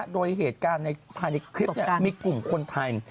โดยเหตุการณ์ในภายในคลิปมีกลุ่มคนไทย